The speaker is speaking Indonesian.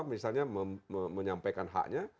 misalnya menyampaikan haknya